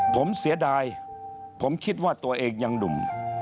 ผมเสียดายผมคิดว่าตัวเองยังหนุ่ม